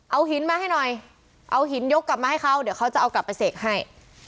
เอาหินมาให้หน่อยเอาหินยกกลับมาให้เขาเดี๋ยวเขาจะเอากลับไปเสกให้